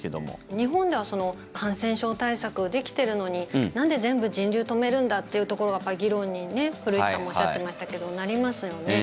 日本では感染症対策、できているのになんで全部、人流を止めるんだってところが議論に古市さんもおっしゃっていましたけどなりますよね。